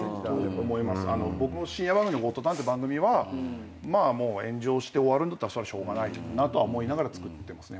僕も深夜番組の『ゴッドタン』って番組は炎上して終わるんだったらしょうがないなとは思いながら作ってますね。